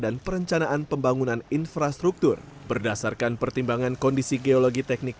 perencanaan pembangunan infrastruktur berdasarkan pertimbangan kondisi geologi teknik